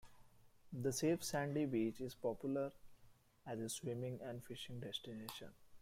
The safe sandy beach is popular as a swimming and fishing destination.